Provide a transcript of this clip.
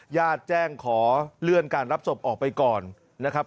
ญาติแจ้งขอเลื่อนการรับศพออกไปก่อนนะครับ